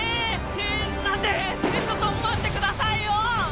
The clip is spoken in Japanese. えっなんで⁉ちょっと待ってくださいよ！